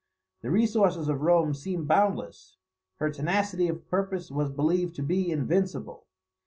The resources of Rome seemed boundless; her tenacity of purpose was believed to be invincible.